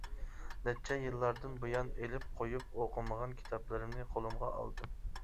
نەچچە يىللاردىن بۇيان ئېلىپ قويۇپ ئوقۇمىغان كىتابلىرىمنى قولۇمغا ئالدىم.